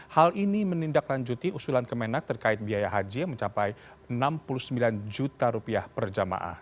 hal ini menindaklanjuti usulan kemenak terkait biaya haji yang mencapai rp enam puluh sembilan juta rupiah per jamaah